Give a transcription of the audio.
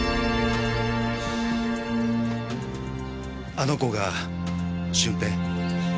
あの子が駿平？